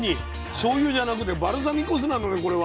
しょうゆじゃなくてバルサミコ酢なのねこれは。